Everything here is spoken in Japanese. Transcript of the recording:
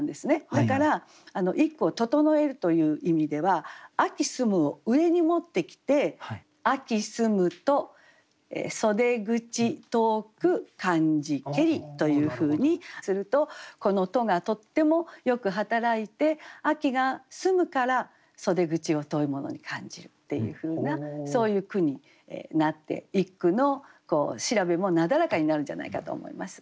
だから一句を整えるという意味では「秋澄む」を上に持ってきて「秋澄むと袖口遠く感じけり」というふうにするとこの「と」がとってもよく働いて秋が澄むから袖口を遠いものに感じるっていうふうなそういう句になって一句の調べもなだらかになるんじゃないかと思います。